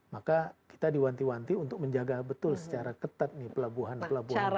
maka kita diwanti wanti untuk menjaga betul secara ketat nih pelabuhan pelabuhan